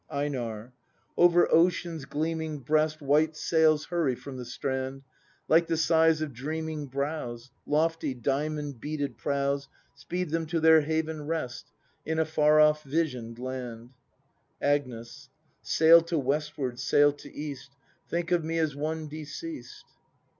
EiNAR. Over ocean's gleaming breast White sails hurry from the strand; — Like the sighs of dreaming brows. Lofty, diamond beaded prows Speed them to their haven rest In a far off vision'd land. Agnes. Sail to westward, sail to east; — Think of me as one deceased.